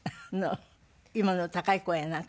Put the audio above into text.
今の高い声やなんか。